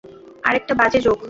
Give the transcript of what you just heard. আরেকটা বাজে জোক।